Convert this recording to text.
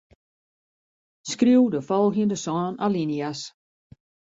Skriuw de folgjende sân alinea's.